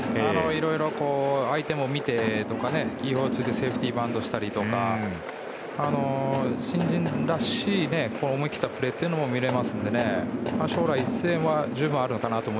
いろいろ相手を見てとか意表を突いてセーフティーバントしたり新人らしい思い切ったプレーも見られるので将来性は十分あるのかなと